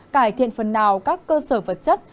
cải thiện phần nào các cơ sở vật chất